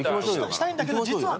したいんだけど実は。